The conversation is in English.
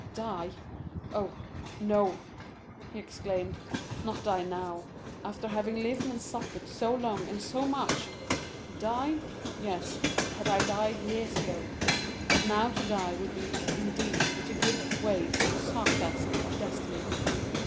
"Die? oh, no," he exclaimed—"not die now, after having lived and suffered so long and so much! Die? yes, had I died years ago; but now to die would be, indeed, to give way to the sarcasm of destiny.